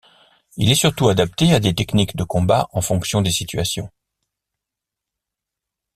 Il s'est surtout adapté à des techniques de combat en fonction des situations.